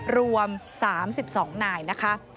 รวม๓๒นายนะคะ